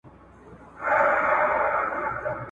تا ته می پخوا پېیلی هار دی بیا به نه وینو ,